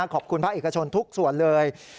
ขอบคุณภาคเอกชนทุกส่วนเลย